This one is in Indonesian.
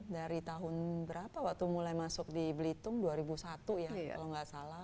dari tahun berapa waktu mulai masuk di belitung dua ribu satu ya kalau nggak salah